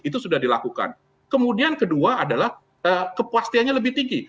itu sudah dilakukan kemudian kedua adalah kepastiannya lebih tinggi